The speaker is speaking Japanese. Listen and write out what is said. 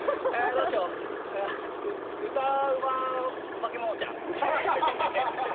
歌うま化け物ちゃん。